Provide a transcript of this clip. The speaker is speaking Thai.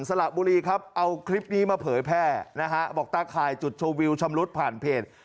สละบุรีครับเอาคลิปนี้มาเผยแพร่นะฮะบอกตาข่ายจุดชมวิวชำรุดผ่านเพจ